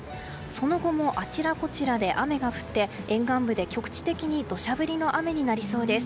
その後もあちらこちらで雨が降って沿岸部で局地的に土砂降りの雨になりそうです。